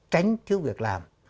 tránh thiếu việc làm